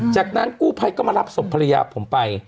จากนั้นกู้ภัยก็มารับศพภรรยาผมไป